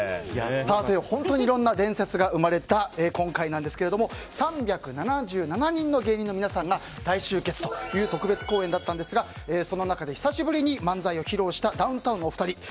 本当にいろんな伝説が生まれた今回なんですけれども３７７人の芸人の皆さんが大集結という特別公演だったんですがその中で、久しぶりに漫才を披露したダウンタウンのお二人。